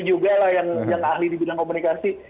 juga lah yang ahli di bidang komunikasi